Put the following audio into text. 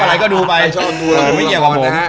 ไปดูเปิดช่องไทรันไทรัน